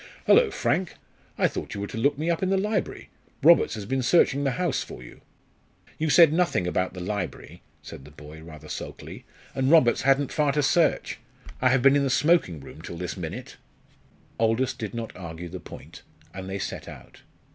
"Hullo, Frank! I thought you were to look me up in the library. Roberts has been searching the house for you." "You said nothing about the library," said the boy, rather sulkily, "and Roberts hadn't far to search. I have been in the smoking room till this minute." Aldous did not argue the point, and they set out.